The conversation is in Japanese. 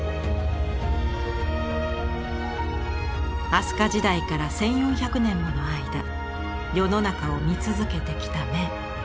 飛鳥時代から１，４００年もの間世の中を見続けてきた眼。